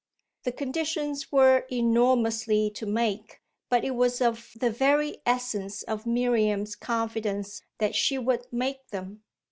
The conditions were enormously to make, but it was of the very essence of Miriam's confidence that she would make them.